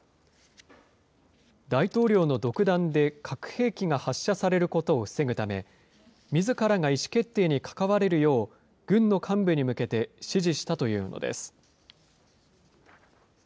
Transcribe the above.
大統領の独断で核兵器が発射されることを防ぐため、みずからが意思決定に関われるよう、軍の幹部に向けて指示したというのです。